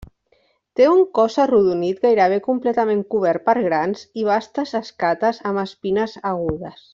Té un cos arrodonit gairebé completament cobert per grans i bastes escates amb espines agudes.